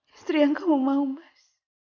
istri yang kamu mau mas